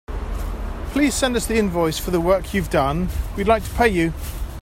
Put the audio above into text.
Please send us the invoice for the work you’ve done, we’d like to pay you.